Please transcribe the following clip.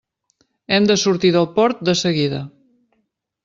Hem de sortir del port de seguida.